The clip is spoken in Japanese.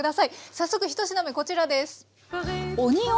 早速１品目こちらです。